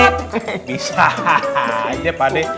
bisa aja pak d